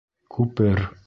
Күпер